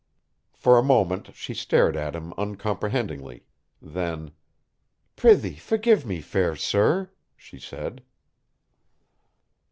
For a moment she stared at him uncomprehendingly, then, "Prithee forgive me, fair sir," she said.